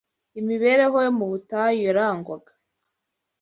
Imibereho yo mu butayu yarangwaga